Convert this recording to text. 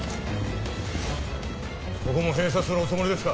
ここも閉鎖するおつもりですか？